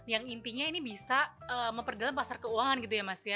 yang intinya ini bisa memperdalam pasar keuangan gitu ya mas ya